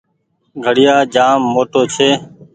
گھڙيآ جآم موٽو ڇي ۔